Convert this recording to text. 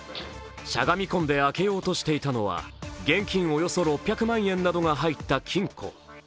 しゃがみ込んで開けようとしていたのは現金およそ６００万円などが入った金庫。